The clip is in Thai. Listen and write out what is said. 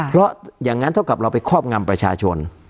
เพราะอย่างนั้นเท่ากับเราไปครอบงำประชาชน